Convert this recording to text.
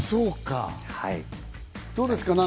どうですか？